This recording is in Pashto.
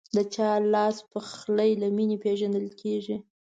د چا لاسپخلی له مینې پیژندل کېږي.